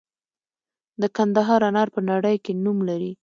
د کندهار انار په نړۍ کې نوم لري.